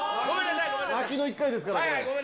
泣きの１回ですからね。